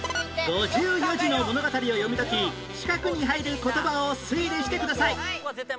５４字の物語を読み解き四角に入る言葉を推理してください